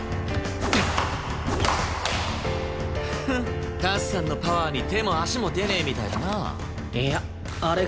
フンタツさんのパワーに手も足も出ねえみたいだなあ。